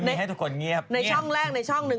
ในช่องแรกในช่องหนึ่ง